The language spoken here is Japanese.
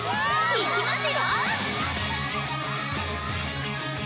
いきますよ！